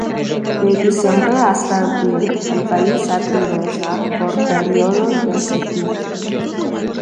De diciembre hasta abril, el país atraviesa por periodos de sequía.